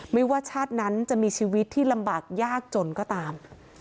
ไม่ว่าชาตินั้นจะมีชีวิตที่ลำบากยากจนก็ตาม